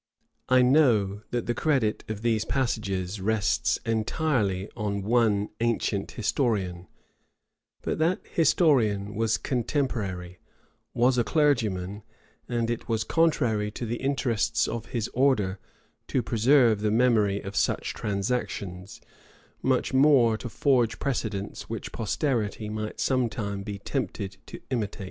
I know that the credit of these passages rests entirely on one ancient historian;[] but that historian was contemporary, was a clergyman, and it was contrary to the interests of his order to preserve the memory of such transactions, much more to forge precedents which posterity might some time be tempted to imitate.